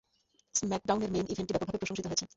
স্ম্যাকডাউনের main ইভেন্টটি ব্যাপকভাবে প্রশংসিত হয়েছে।